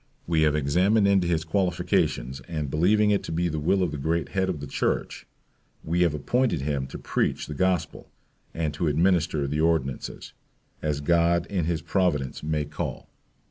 We have examined into his qualifications, and believing it to be the will of the great Head of the church, we have appointed him to preach the Gospel, and to administer the ordinances, as God in his providence may call.